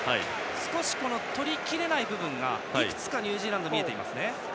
少しとりきれない部分がいくつかニュージーランドには見えていますね。